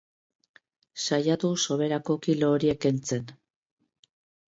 Saiatu soberako kilo horiek kentzen.